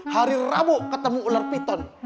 hari rabu ketemu ular piton